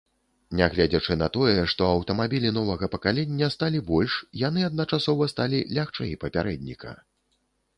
Нягледзячы на тое, што аўтамабілі новага пакалення сталі больш, яны адначасова сталі лягчэй папярэдніка.